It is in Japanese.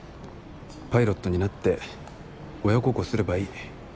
パイロットになって親孝行すればいい。